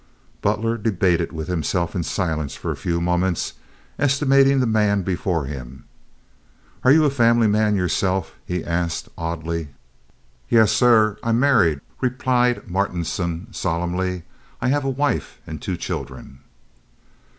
Butler debated with himself in silence for a few moments, estimating the man before him. "Are you a family man yourself?" he asked, oddly. "Yes, sir, I'm married," replied Martinson, solemnly. "I have a wife and two children."